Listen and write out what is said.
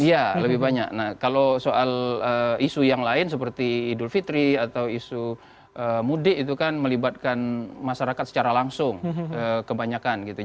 iya lebih banyak kalau soal isu yang lain seperti idul fitri atau isu mudik itu kan melibatkan masyarakat secara langsung kebanyakan gitu